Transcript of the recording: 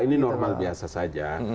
ini normal biasa saja